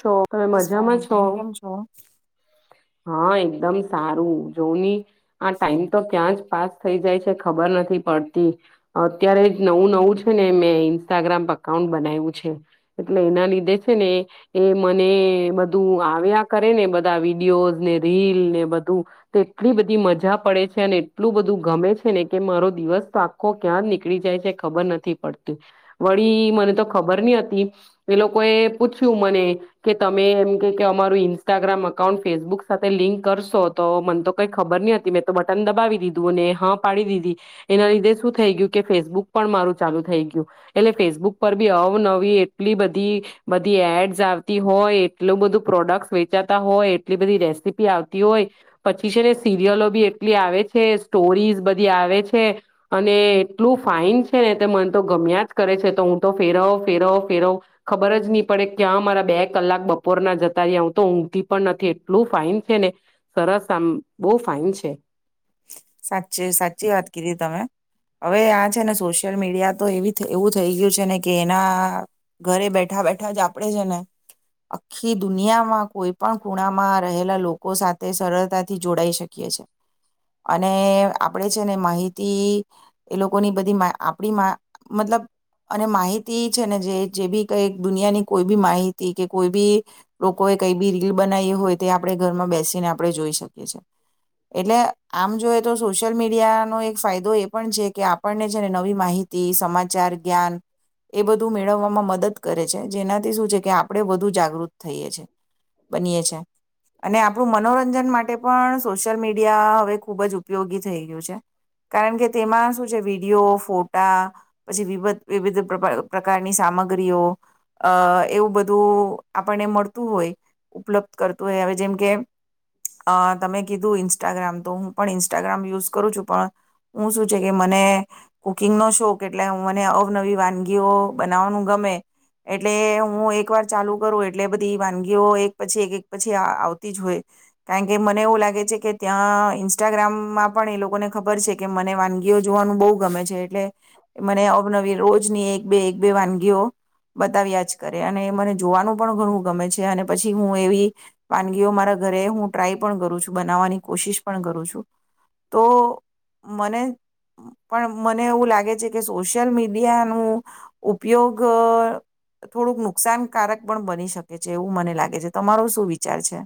છો તમે બસ મજામાં ફાઇન છો તમે કેમ છો હા એકદમ સારું જોની આ ટાઈમ તો ત્યાં જ પાસ થઈ જાય છે ખબર નથી પડતી અત્યારે જ નવું નવું છે ને મેં ઈન્સ્ટાગ્રામ અકાઉન્ટ બનાવ્યું છે એટલે એના લીધે છે ને એ મને બધું આવ્યા કરે ને બધા વિડીિયોઝ ને રીલ ને બધું તો એટલી બધી મજા પડે છે અને એટલું બધું ગમે છે ને કે મારો દિવસ તો આખો ક્યાં નીકળી જાય છે ખબર નથી પડતી વળી મને તો ખબર નહ હતી એ લોકો એ પૂછ્યું મને કે તમે એમ કે અરું ઇન્સ્ટાગ્રામ અકાઉન્ટ ફેસબુક સાથે લિંક કરશો તો મને તો કઈ ખબર નહતી મેં તો બટન દબાવી દીધું ને હા પાડી દીધી એના લીધે શું થઈ ગયું કે ફેસબુક પણ મારું ચાલુ થઈ ગયું એટલે ફેસબુક પર બી અવનવી એટલી બધી બધી એડ આવતી હોય એટલું બધું પ્રોડક્ટ વેચાતા હોય એટલી બધી રેસીપી આવતી હોય પછી છે ને સિરિયલો બી એટલી આવે છે સ્ટોરીઝ બધી આવે છે અને એટલું ફાાઈન છે છે ને તે મન તો ગમ્યા જ કરે છે તો હું તો ફેરવ ફેરવ ફેરવ ખબર જ નહી પડે ત્યાં મારા બે કલાક બપોરના જતા જ હું તો ઊંઘી પણ નથી એટલું ફાઈઇન છે ને સરસ આમ બહ ફાઇન છે સાચી સાચી વાત કીધી તમે હવે આ છે ને સોશિયલ મીડિયા તો એ એવું થઈ ગયું છે ને કે એના ઘરે બેઠા બેઠા જ આપડે છે ને આખી દુનિયામાં કોઈ પણ ખૂણામાં રહેલા લોકો સાથે તે સરળતાથી જોડાઈ શકીએ છે અને આપણેે છે ને માહિતી એ લોકોની બધી આપડી મતલબ અને માહિતી છે ને જે જે બી કઈ દુનિયાની કોઈ બી માહિતી કે કોઈ બી લોકોએ કઈ બી રીલ બનાવી હોય તે આપણે ઘરમાં બેસીને આપ આપણે જોઈ શકીએ છ છે એટલે આમ જોઈ તો સોશિયલ મીડિયાનોો એક ફાયદો એ પણ છે કે આપણને છે ને નવી માહિતી સમાચાર જ્ઞાન એ બધું મેળવવામાં મદદ કરે છે જેનાથી શું છે કે આપણે વધુ જાગૃત થઈએ છીએ બનીએ છે અને આપ આપ મનોરં મનોરંજન માટે પણ સોશિયલ મીડિયા હવે ખુબ જ ઉપયોગી થઈ ગયું છે કારણ કે તેમાં શું છે વિડીયો ફોટા પછી વિવિ વિવિધ પ્રકારની સામગ્રીઓ અ એવું બધું આપણને મળતું હોય ઉપલબ્ધ કરતું હોય હવે જેમ કે અ તમે કીધું ઇન્સ્ટાગ્રામ તો હું પણ ઇન્સ્ટાગ્રામ યુઝ કરું છું પણ હું શું છે કે મને કુકિંગનો શોખ એટલે મને અવનવી વાનગીઓ બનાવવાનું ગમે એટલે હું એક વાર ચાલુ કરું એટલે બધી વાનગીઓ એક પછી એક એક પછી આવતી જ હોય કારણ કે મને એવું લાગે છે કે ત્યાં ઇન્સ્ટાગ્રામમાં પણ એ લોકોને ખબર છે કે મને વાનગીઓ જોવાનું બહુ ગમે છે એટલે મને અવનવી રોજ એક બે એક બે વાનગીઓ બતાવ્યા જ કરે અને મને જોવાનું પણ ઘણું ગમે છે અને પછી હું એવી વાનગીઓ મારા ઘરે હું ટ્રાય પણ કરું છું બનાવવાની કોશિશ પણ કરું છું તો મને પણ મને એવું લાગે છે કે સોશિયલ મીડિયા નું ઉપયોગ થોડુંક નુકસાનકારક પણ બની શકે છે એવું મને લાગે છે તમારો શું વિચાર છે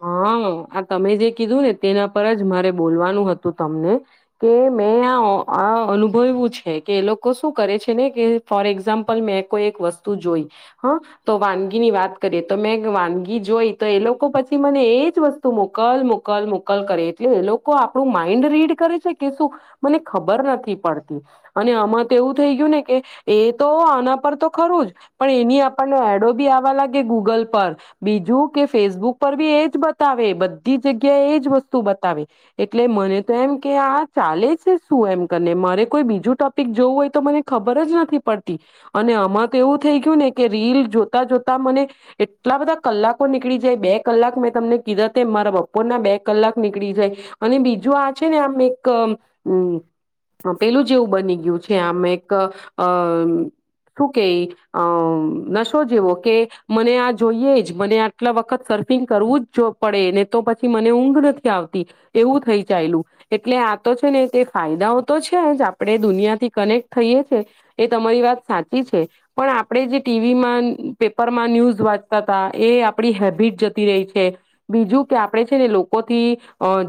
હા આ તમે જે કીધું ને તેના પર જ મારે બોલવાનું હતું તમને કે મેં આ અનુભવવું છે કે એ લોકો શું કરે છે ને કે ફોર એક્ઝામ્પલ મેં કોઈ એક વસ્તુ જોઈ હ તો વાનગીની વાત કરીએ તો મેં વાનગી જોઈ તો એ લોક પછી મને એ જ વસ્તુ મોકલ મોકલ મોકલ કરે એટલે એ લોકો આપણું માઈન્ડ રીડ કરે છે કે શું મને ખબર નથી પડતી અને આમાં તો એવું થઈ ગયું ને કે એ તો આના પર તો ખરું જ પણ એની આપણને એડો બી આવવા લાગે ગૂગલ પર બીજું કે ફેસબુક એજ બતાવે બધી જગ્યાએ એજ વસ્તુ બતાવે એટલે મને તો એમ કે આ ચાલે છે શું એમ કરી મારે કોઈ બીજું ટોપિક જોવું હોય તો મને ખબર જ નથી પડતી અને આમાં તો એવું થઈ ગયું ને કે રીલ જોતા જોતા મને એટલા બધા કલાકો નીકળી જાય બે કલાક મેં તમને કીથા તેમ મારા બપોરના બે કલાક નીકળી જાય અને બીજું આ છે ને આમ એક મ પેલું જેવું બની ગયું છે આમ એક અ શું કે અ નશો જેવો કે મને આ જોઈએ જ મને આટલા વખત સર કરવું જ પડે ને તો પછી મને ઊંઘ નથી આવતી એવું થઈ ચાયલું એટલે આ તો છે ને તે ફાયદાઓ તો છે જ આપણે દુનિયાથી કનેક્ટ થઈએ છે એ તમારી વાત સાચી છે પણ આપણે જે ટીવીમાં પેપરમાં ન્યૂઝ વાંચતા હતા એ આપડી હેબિટ ર છે બીજું કે આપણે છે ને લોકોથી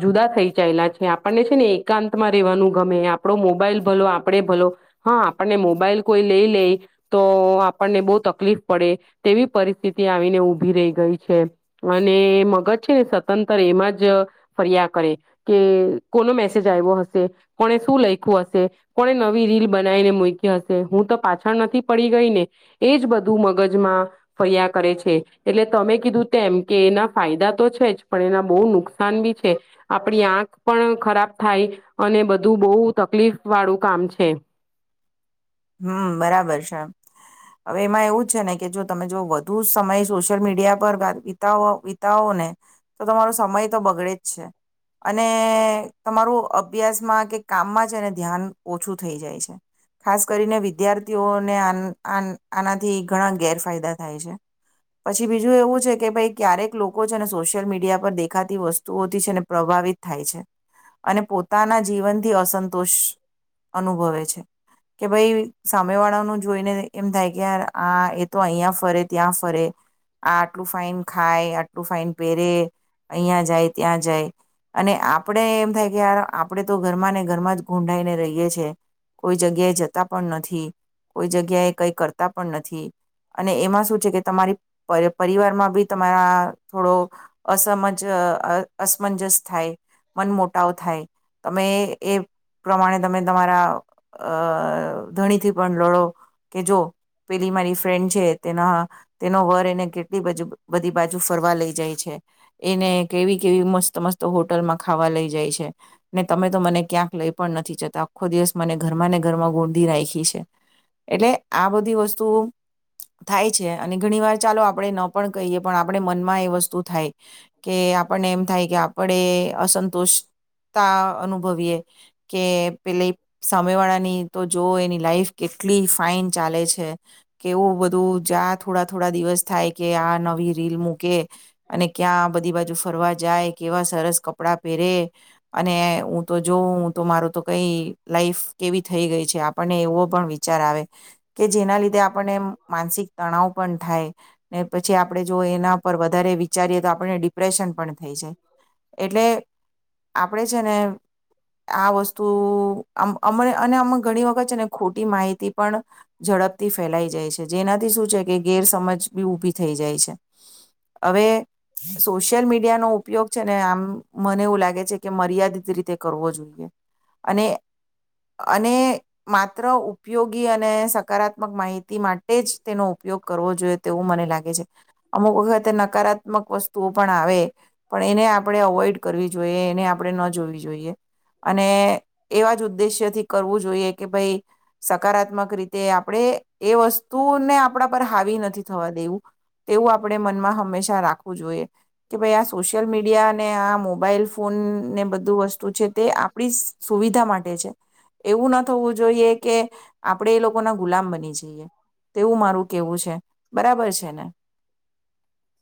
જુદા થઈ જયેલા છે આપણને છે ને એકાંતમાં રહેેવાનું ગમે આપડો મોબાઈલ ભલો આપણે ભલો હા આપણને મોબાઈલ કોઈ લઈ લે તો આપણને બહુ તકલીફ પડે તેવી પરિસ્થિતિ આવીને ઉભી રહી ગઈ છે અને મગજ છે ને સતંતર એમાં જ ફર્યા કરે કે કોનો મેસેજ આવ્યો હશે કોને શું લખ્યું હશે કોને નવી રીલ બનાવીને મૂકી હશે હું તો પાછળ નથી પડી ગઈ ને એજ બધું મગજમાં ફરિયા કરે છે એટલે તમે કીધું તેમ કે એના ફાયદા તો છે જ પણ એના બહુ નુકસાન બી છે આપણી આંખ પણ ખરાબ થાય અને બધું બહુ તકલીફ વાળું કામ છે હમ્મ બરાબર છે હવે એમાં એવું છે ને કે જો તમે જો વધુ સમય સોશિયલ મીડિયા પર વિતા વિતાવો ને તો તમારો સમય તો બગડે જ છે અને તમારું અભ્યાસમાં કે કામમાં છે એને ધ્યાન ઓછું થઈ જાય છે ખાસ ખાસ કરીને વિદ્યાર્થીઓને આ આ આનાથી ઘણા ગેરફાયદા થાય છે પછી બીજું એવું છે કે ભાઈ ક્યારેક લોકો છેને સોશિયલ મીડિયા પર દેખાતી વસ્તુઓથી છેને પ્રભાવિત થાય છે અને પોતાના જીવનથી અસંતોષ અનુભવે છે કે ભાઈ સામે વાળાનું જોઈને એમ થાય કે યાર આ એ તો અહીંયા ફરે ત્યાં ફરે આ આટલું ફાાઈન ખાય આટલું ફાાઈન પહેરે અહીયાંયા જાય ત્યાં જાય અને આપણે એમ થાય કે યાર આપણે તો ઘરમાં ને ઘરમાં જ ગુંઢઈને રહીએ છીએ કોઈ જગ્યાએ જ પણ નથી કોઈ જગ્યાએ કઈ કરતા પણ નથી અને એમાં શું છે કે તમારી પરી પરિવારમાં બી તમારા થોડો અસમજ અસમંજસ થાય મન મોટાાવ થાય તમે એ પ્રમાણે તમે તમારા અ ધણીથી પણ લડો કે જો પેલી મારી ફ્રેન્ડ છે તેના તેનો વર એને કેટલી બજુ બધી બાજુ ફરવા લઈ જાય છે એને કેવી કેવી મસ્ત મસ્ત હોટલમાં ખાવા લઇ જાય છે ને તમે તો મને ક્યાંક લઈ પણ નથી જતા આખો દિવસ મને ઘરમાં ને ઘરમાં ગો રાખી છે એટલે આ બધી વસ્તુ થાય છે અને ઘણી વાર ચાલો આપણે ન પણ કહીએ પણ આપણે મનમાં એ વસ્તુ થાય કે આપણને એમ થાય કે પડે અસંતોષતા અનુભવીએ કે પેલે સામેવાળાની તો જોઓ એની લાઈફ કેટલી ફાાઈન ચાલે છે કેવું બધું જ્યાં થોડા થોડા દિવસ થાય કે આ રીલ મૂકે અને ક્યાં બધી બાજુ ફરવા જાય કેવા સરસ કપડાં પહેરે અને હું તો જોઉં તો મારો તો કઈ લાઈફ કેવી થઈ ગઈ છે આપણને એવો પણ વિચાર આવે કે જેના લીધે આપણને માનસિક તણાવ પણ થાય ને પછી આપણે જો એના પર વધારે વિચારીએ તો આપણને ડિપ્રેશન પણ થઈ જાય એટલે આપણેે છે ને આ વસ્તુ અમ અને આમાં ઘણી વખત છે ને ખોટી માહિતી પણ ઝડપથી ફેલાઈ જાય છે. જેનાથી શું છે કે ગેરસમજ બી ઉઊભી થઈ જાય છે હવે સોશિયલ મીડિયાનો ઉપયોગ છે ને આમ મને એવું લાગે છે કે, મર્યાદિત રીતે કરવો જોઈએ અને અને માત્ર ઉપયોગી અને સકારાત્મક માહિતી માટે જ તેનો ઉપયોગ કરવો જોઈએ. તેવું મને લાગે છે, અમુક વખતે નકારાત્મક વસ્તુઓ પણ આવે પણ એને આપણે અવોઈડ કરવી જોઈએ એને આપણે ન જોવી જોઈએ અને એવા જ ઉદ્દેશ્યથી ું જોઈ કે ભ સકારાત્મક રીતે આપણે એ વસ્તુને આપ પર હાવી નથી, થવા દેવું. તેવું આપણે મમાં હંમેશા રાખવું જોઈએ. કે, ભ આ સોશલ મીડિયા મોબાઈલ ફોન ને બધું વસ્તુ છે, તે આપડી સુવિધા માટે છે એવું ના થવું જોઈએ કે, આપડે એ લોકો ના ગુલામ બની તેવું મારું કેવું છે બરાબર છે ને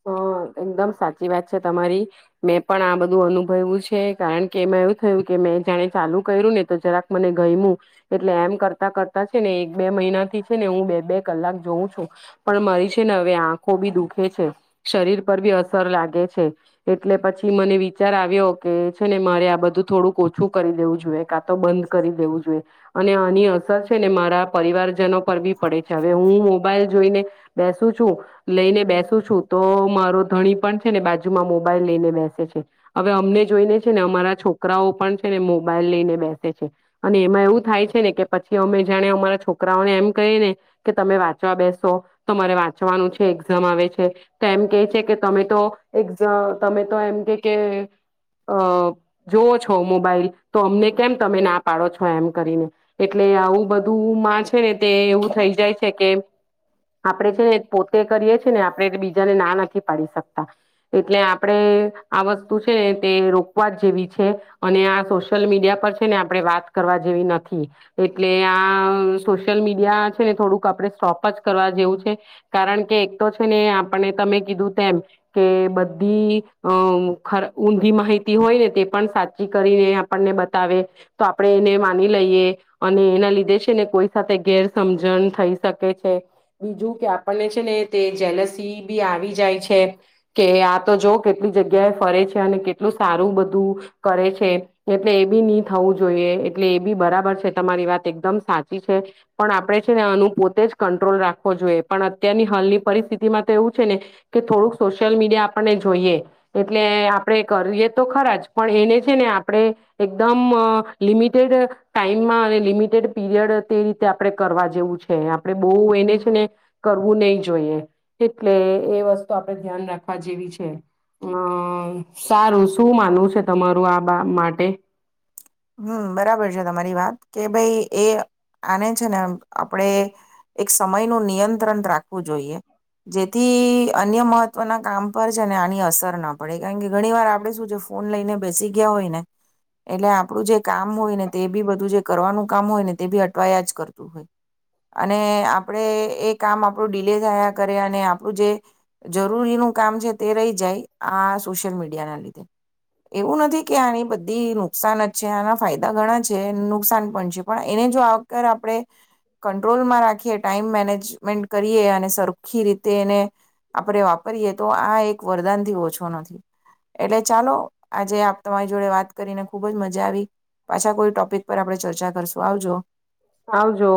હા એકદમ સાચી વાત છે તમારી મેં પણ, આ બધું અનુભવ્યું છે કારણ કે એમાં એવું થયું કે મેં જાણે ચાલુ કર્યું ને તો જરાક મને ગયમું એટલે, એમ કરતા કરતા છે ને એક બે મહિના થી હું, બે બે કલાક જોઉં છું પણ મારી છે. ને હવે આંખો બી દુખે છે શરીર પર બી અસર લાગે છે એટલે પછી મને વિચાર આવ્યો કે છે ને મારે આ બધું થોડુંક ઓછું કરી દેવું જોઈએ કાં તો બંધ કરી દેવું જોઈએ અને આની અસર છે, ને મારા પરિવારજનો ફવી પડે છે હવે હું મોબાઈલ જોઈને, બેસું છું લઈને બેસું છું તો મારો ધણી પણ છે ને બાજુમાં મોબાઈલ લઈને બેસે છે હવે અમને જોઈને છે ને અમારા છોકરાઓ પણ છે ને મોબાઈલ લઈને બેસે છે અને એમાં એવું થાય છે ને કે પછી અમે જાણે અમારા છોકરાઓને એમ ને કે તમે વાંચવા બેસો તમારે વાંચવાનું છે એઝામ આવે છે તો એમ કે છે કે તમે તો એક્ઝામ તમે તો એમ કે કે અ જોવ છો મોબાઈલ તો અમને કેમ તમે ના પાડો છો એમ કરીને એટલે આવું બધું માં છે ને તે એવું થઈ જાય છે કે આપણેે છે ને પોતે કરીએી ને આપણે બીજાને ના નથી પાડી શકતા એટલે આપણે આ વસ્તુ છે ને તે રોકવા જ જેવી છે અને આ સોશિયલ મીડિયા પર છે ને આપણે વાત કરવા જેવી નથી એટલે આ સ સોશલ મીડિયા છે ને થોડુંક આપણે સ્ટોપ જ કરવા જેવું છે કારણ કે, એક તો છે ને આપને તમે કીધું તેમ કે બધી અ ઊંધી માહિતી હોય ને તે પણ સાચી કરીને આપણને બતાવે તો આપણે એને માની લઈએ અને એના લીધે છે ને કોઈ સાથે ગેરસજણ થઈ શકે છે બીજું કે, આપણને છે ને, તે જેલસી બી આવી જાય છે કે આ તો જો કેટલી જગ્યા એ ફરે છે અને કેટલું સારું બધું કરે છે એટલે એ બી નહી થવું જોઈએ એટલે એ બી બરાબર છે તમારી વાત એકદમ સાચી પણ આપણે છે ને આનું પોતે જ કંટ્રોલ રાખવો જોઈએ પણ અત્યારની હાલની પરિસ્થિતિમાં તો એવું છે ને કે થોડુંક સોશિયલ મીડિયા આપણને જોઈએ એટલે આપણે કરીએ તો ખરા જ પણ એને છે ને આપણે એકદમ લિમિટેડ ટાઈમમાં અને લિમિટેડ પીરિયડ તે રીતે આપણે કરવા જેવું છે આપડણે બહુ એને છે ને કરવું નહી જોઈએ એટલે એ વસ્તુ આપણેે ધ્યાન રાખવા જેવી છે અમ સારું શું માનવું છે તમારું આ બા માટે હમ, બરાબર છે. તમારી વાત કે ભાઈ એ આને છે ને આપણેે એક સમય નું નિયંત્રણ રાખવું જોઈએ જેથી અન્ય મહત્વના કામ પર છે ને આની અસર ના પડે કારણ કે ઘણી વાર આપણેે શું? છે ફોન લઈને બેસી ગયા હોય ને એટલે આપણું જે કામ હોય ને તે બી બધું જે કરવાનું કામ હોય ને તે બી અટવાયા જ કરતું હોય અને આપણે એ કામ આપણું ડીલે થયા કરે અને આપણું જે જરૂરીનું કામ છે તે રહી જાય આ સોશિયલ મીડિયા ના લીધે એવું નથી, કે આની, બધી નુકસાન ફાયદા ઘણા છે નુકસાન પણ છે પણ એને જો આગ આપણે કંટ્રોલમાં રાખીએ ટાઈમ મેનેજમેન્ટ કરીએ અને સરખી રીતે એને આપણે વાપરીએ તો આ એક વરદાન થી ઓછો નથી. એટલે ચાલો આજે આપ તમારી જોડે વાત કરીને ખુબ જ મજા. આવી પાછા કોઈ ટોપિક પર આપે ચર્ચા કરશું આવજો આવજો